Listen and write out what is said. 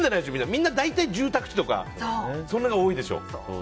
みんな大体、住宅地とかそんなのが多いでしょ。